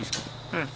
うん。